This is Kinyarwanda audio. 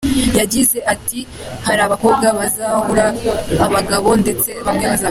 Yagize ati “Hari abakobwa bazahura n’abagabo ndetse bamwe bazabyara.